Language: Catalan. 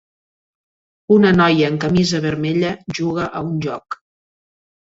una noia amb camisa vermella juga a un joc.